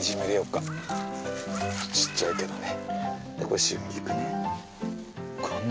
ちっちゃいけどね。